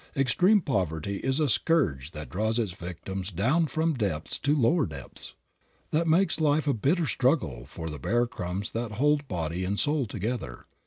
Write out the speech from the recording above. Extreme poverty is a scourge that draws its victims down from depths to lower depths; that makes life a bitter struggle for the bare crumbs that hold body and soul together.